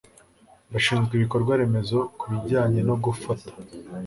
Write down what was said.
bashinzwe ibikorwa remezo ku bijyanye no gufata